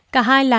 cả hai là nữ